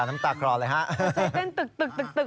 ขอบคุณครับ